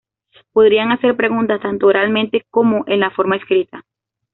Podrían hacer preguntas tanto oralmente como en la forma escrita.